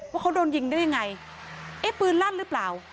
ว่าเขาโดนยิงได้อย่างไรเว้ยปืนรัดหรือเปล่า